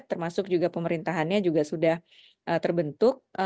termasuk juga pemerintahannya juga sudah terbentuk